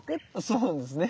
そうなんですね。